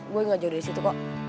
gue gak jauh dari situ kok